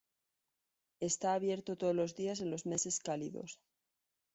Está abierto todos los días en los meses cálidos.